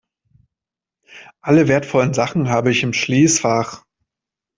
Alle wertvollen Sachen habe ich im Schließfach.